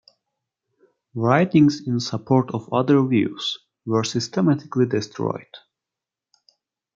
Writings in support of other views were systematically destroyed.